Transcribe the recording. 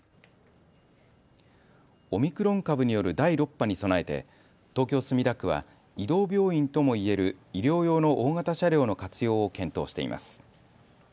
オミクロン株による第６波に備えて東京墨田区は移動病院ともいえる医療用の大型車両の活用を検討しています。